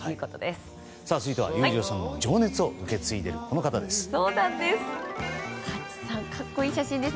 続いては裕次郎さんの情熱を受け継いでいる、この方です。